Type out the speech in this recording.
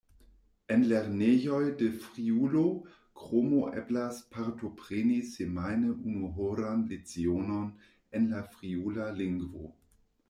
En lernejoj de Friulo kromo eblas partopreni semajne unuhoran lecionon en la friula lingvo.